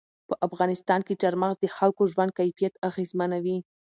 په افغانستان کې چار مغز د خلکو ژوند کیفیت اغېزمنوي.